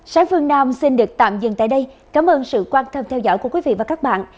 sáng phương nam xin được tạm dừng tại đây cảm ơn sự quan tâm theo dõi của quý vị và các bạn